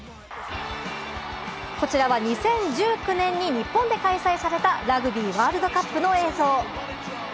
こちらは２０１９年に日本で開催された、ラグビーワールドカップの映像。